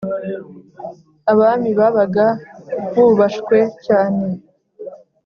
Abami babaga bubashwe cyane